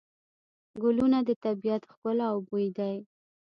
ګلونه د طبیعت ښکلا او بوی دی.